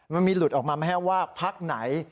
มันมีหลุดออกมาแม้ว่าภักดิ์ไหน